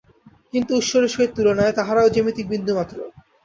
কিন্তু ঈশ্বরের সহিত তুলনায় তাঁহারাও জ্যামিতিক বিন্দুমাত্র।